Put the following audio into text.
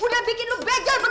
udah bikin lu bejal begini